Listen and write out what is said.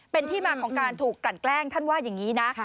เป็นที่มาของการถูกกลั่นแกล้งท่านว่าอย่างนี้นะ